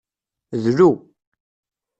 Dlu.